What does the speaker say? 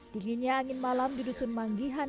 dinginnya angin malam di dusun manggihan